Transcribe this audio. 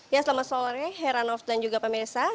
ya selamat sore heranov dan juga pemirsa